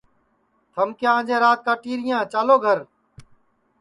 تھم کیا انجے رات کاٹیریاں چالو گھر